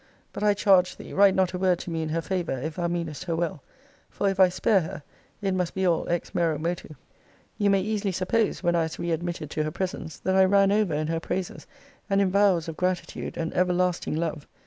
But I charge thee, write not a word to me in her favour, if thou meanest her well; for, if I spare her, it must be all ex mero motu. You may easily suppose, when I was re admitted to her presence, that I ran over in her praises, and in vows of gratitude, and everlasting love.